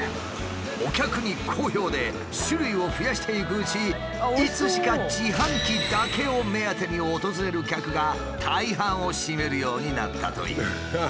お客に好評で種類を増やしていくうちいつしか自販機だけを目当てに訪れる客が大半を占めるようになったという。